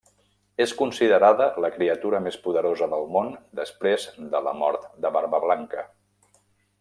És considerada la criatura més poderosa del món després de la mort de Barbablanca.